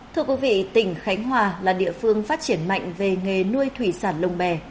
thưa quý vị tỉnh khánh hòa là địa phương phát triển mạnh về nghề nuôi thủy sản lồng bè